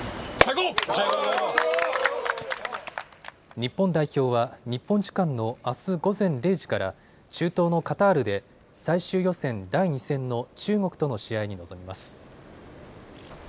日本代表は日本時間のあす午前０時から中東のカタールで最終予選第２戦の中国との試合に臨みます。